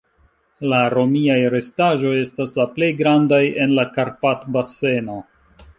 La romiaj restaĵoj estas la plej grandaj en la Karpat-baseno.